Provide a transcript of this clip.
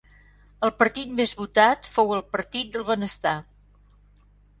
El partit més votat fou el Partit del Benestar.